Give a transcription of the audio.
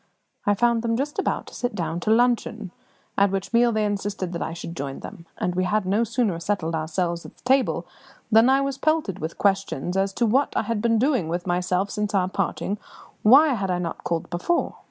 I found them just about to sit down to luncheon, at which meal they insisted that I should join them; and we had no sooner settled ourselves at the table than I was pelted with questions as to what I had been doing with myself since our parting; why had I not called before?